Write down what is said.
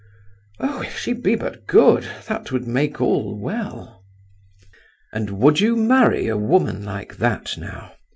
Oh, if she be but good! That would make all well!" "And would you marry a woman like that, now?"